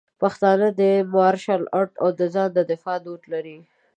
پښتانه د مارشل آرټ او د ځان د دفاع دود لري.